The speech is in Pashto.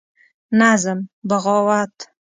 نظم: بغاوت